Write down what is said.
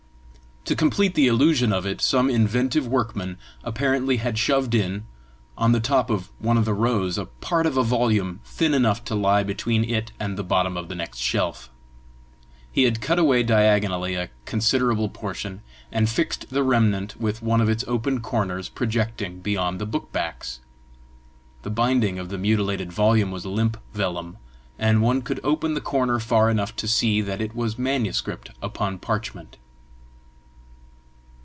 To complete the illusion of it, some inventive workman apparently had shoved in, on the top of one of the rows, a part of a volume thin enough to lie between it and the bottom of the next shelf: he had cut away diagonally a considerable portion, and fixed the remnant with one of its open corners projecting beyond the book backs. The binding of the mutilated volume was limp vellum, and one could open the corner far enough to see that it was manuscript upon parchment.